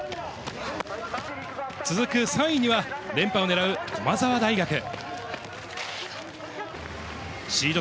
続く３位には、連覇をねらう駒澤大学。